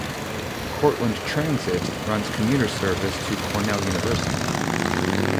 Cortland Transit runs commuter service to Cornell University.